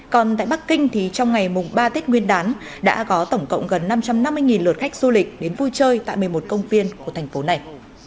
còn tại bắc kinh thì trong ngày mùng ba tết nguyên đán đã có tổng cộng gần năm trăm năm mươi lượt khách du lịch đến vui chơi tại một mươi một công viên của thành phố này